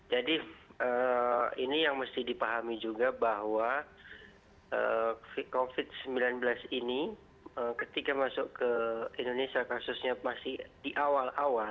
jadi ini yang mesti dipahami juga bahwa covid sembilan belas ini ketika masuk ke indonesia kasusnya masih di awal awal